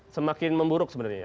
semakin memburuk sebenarnya ya